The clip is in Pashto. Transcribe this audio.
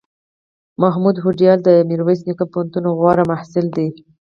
محمود هوډیال دمیرویس نیکه پوهنتون غوره محصل دی